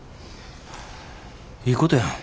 いいことやん。